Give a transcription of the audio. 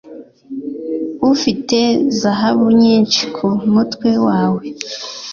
Ufite zahabu nyinshi ku mutwe wawe